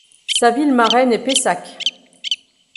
Sa ville marraine est Pessac.